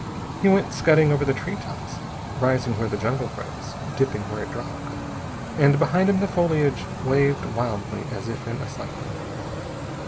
He went scudding over the tree tops, rising where the jungle rose, dipping where it dropped, and behind him the foliage waved wildly as if in a cyclone.